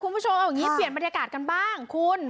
คุณผู้ชมเอาอย่างนี้เปลี่ยนบรรยากาศกันบ้างคุณ